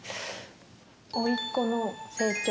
おいっ子の成長。